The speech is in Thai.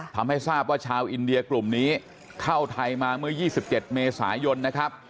ทำให้ทราบว่าชาวอินเดียกลุ่มนี้เข้าไทยมาเมื่อ๒๗เมษายนนะครับ